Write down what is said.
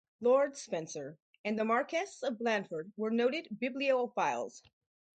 Lord Spencer and the Marquess of Blandford were noted bibliophiles.